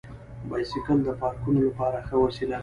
بایسکل د پارکونو لپاره ښه وسیله ده.